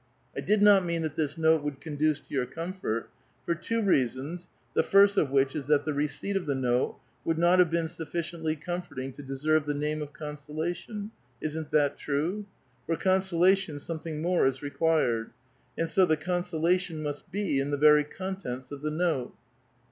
* I did not mean that this note would conduce to your com fort ; for two reasons, the first of which is that the receipt of the note would not have been sufficiently comforting to de serve the name of consolation ; isn't that true ? For conso lation something more is required. And so the consolation must be in the very contents of the note."